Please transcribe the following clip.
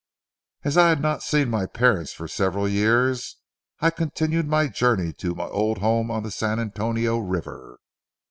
As I had not seen my parents for several years, I continued my journey to my old home on the San Antonio River.